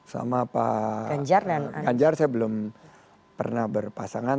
sama pak ganjar saya belum pernah berpasangan